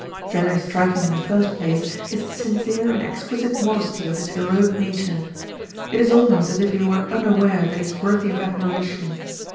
Very striking in the first place is the sincere and exquisite modesty of his heroic nature; it is almost as if he were unaware that he is worthy of admiration.